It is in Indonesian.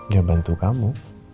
ya bantu kamu